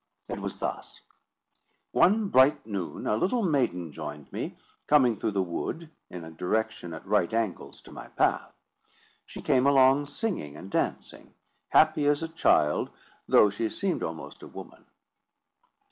It was thus: One bright noon, a little maiden joined me, coming through the wood in a direction at right angles to my path. She came along singing and dancing, happy as a child, though she seemed almost a woman.